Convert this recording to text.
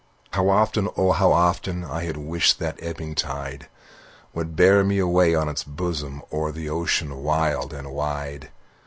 How often oh how often, I had wished that the ebbing tide Would bear me away on its bosom O'er the ocean wild and wide!